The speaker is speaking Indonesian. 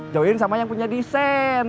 join sama yang punya desain